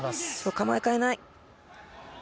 構えを変えない。